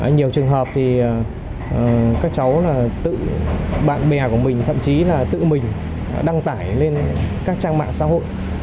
nhiều trường hợp thì các cháu tự bạn bè của mình thậm chí là tự mình đăng tải lên các trang mạng xã hội